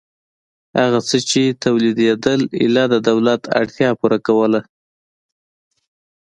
هغه څه چې تولیدېدل ایله د دولت اړتیا پوره کوله